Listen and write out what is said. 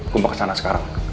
gua mau kesana sekarang